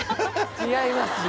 違いますよ。